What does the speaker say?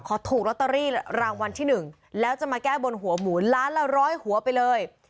ถูกลอตเตอรี่รางวัลที่หนึ่งแล้วจะมาแก้บนหัวหมูล้านละร้อยหัวไปเลย